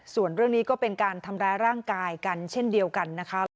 ส่วนเรื่องนี้ก็เป็นการทำร้ายร่างกายกันเช่นเดียวกันนะคะ